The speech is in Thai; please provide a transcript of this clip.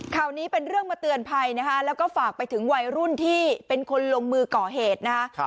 ข่าวนี้เป็นเรื่องมาเตือนภัยนะคะแล้วก็ฝากไปถึงวัยรุ่นที่เป็นคนลงมือก่อเหตุนะคะ